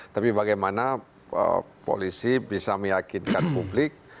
tapi bagaimana polisi bisa meyakinkan publik